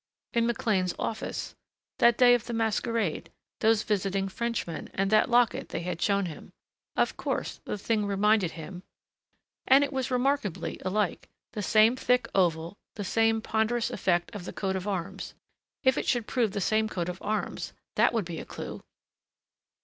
In McLean's office. That day of the masquerade. Those visiting Frenchmen and that locket they had shown him. Of course the thing reminded him And it was remarkably alike. The same thick oval, the same ponderous effect of the coat of arms if it should prove the same coat of arms that would be a clue!